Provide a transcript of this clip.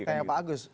tanya pak agus